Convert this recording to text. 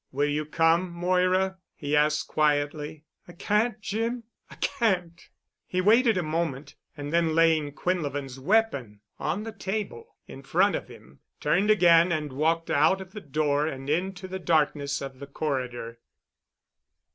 "Will you come, Moira?" he asked quietly. "I can't, Jim. I can't——" He waited a moment, and then laying Quinlevin's weapon on the table in front of him, turned again and walked out of the door and into the darkness of the corridor.